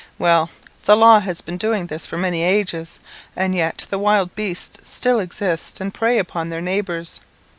Well, the law has been doing this for many ages, and yet the wild beasts still exist and prey upon their neighbours.